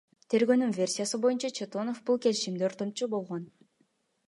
Тергөөнүн версиясы боюнча, Чотонов бул келишимде ортомчу болгон.